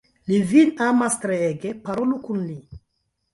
Li vin amas treege, parolu kun li.